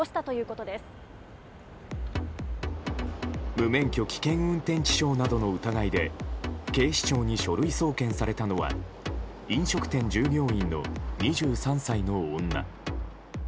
無免許危険運転致傷などの疑いで警視庁に書類送検されたのは飲食店従業員の２３の女。